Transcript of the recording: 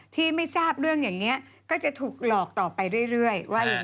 ที่ไม่ทราบเรื่องอย่างนี้ก็จะถูกหลอกต่อไปเรื่อยว่า